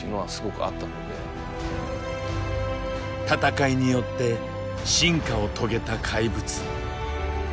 戦いによって進化を遂げた怪物。